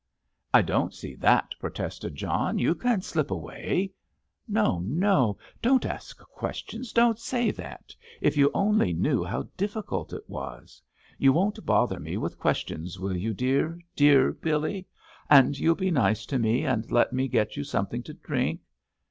"I don't see that," protested John. "You can slip away——" "No, no; don't ask questions—don't say that! If you only knew how difficult it was. You won't bother me with questions, will you dear, dear Billy? And you'll be nice to me and let me get you something to drink.